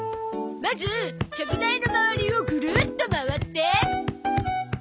まずちゃぶ台の周りをグルッと回って。